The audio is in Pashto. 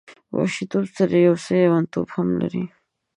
د وحشي توب سره یو څه لیونتوب هم لري.